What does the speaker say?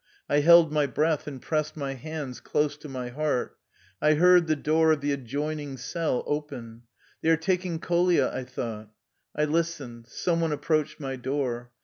I held my breath, and pressed my hands close to my heart. I heard the door of the adjoining cell open " They are taking Kolia/' I thought. I listened Some one approached my door.